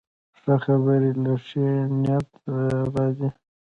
ښه خبرې له ښې نیت راځي